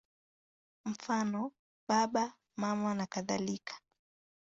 Mfano: Baba, Mama nakadhalika.